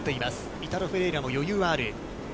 イタロ・フェレイラも余裕はある。